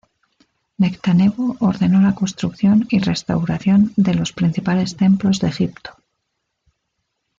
Nectanebo ordenó la construcción y restauración de los principales templos de Egipto.